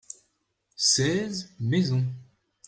seize maisons.